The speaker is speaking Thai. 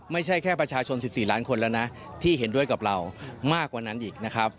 ไม่ใช่แค่ประชาชน๑๔ล้านคนแล้วนะที่เห็นด้วยกับเรามากกว่านั้นอีกนะครับ